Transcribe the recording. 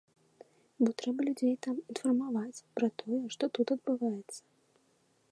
Бо трэба людзей там інфармаваць пра тое, што тут адбываецца.